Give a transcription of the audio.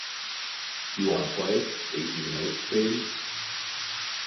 You wanna play...Aces and eights, baby?